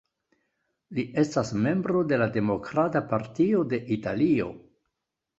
Li estas membro de la Demokrata Partio de Italio.